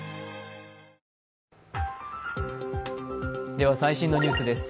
では、最新のニュースです。